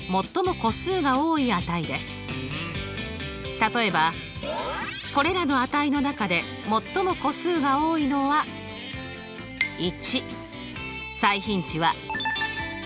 例えばこれらの値の中で最も個数が多いのは１。